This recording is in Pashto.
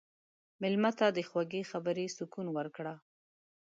مېلمه ته د خوږې خبرې سکون ورکړه.